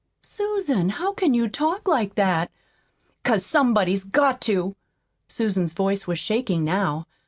"Susan, how can you talk like that?" "'Cause somebody's got to." Susan's voice was shaking now.